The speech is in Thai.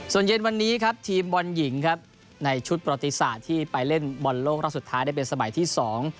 ส่วนเย็นวันนี้ครับทีมบอลหญิงครับในชุดประติศาสตร์ที่ไปเล่นบอลโลกรอบสุดท้ายได้เป็นสมัยที่สอง